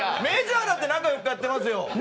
メジャーだって中４日やってますよ。